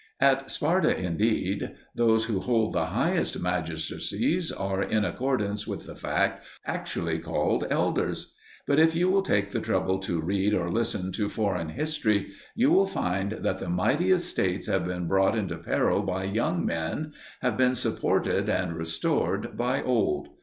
At Sparta, indeed, those who hold the highest magistracies are in accordance with the fact actually called "elders." But if you will take the trouble to read or listen to foreign history, you will find that the mightiest States have been brought into peril by young men, have been supported and restored by old.